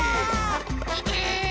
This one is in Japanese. いけ！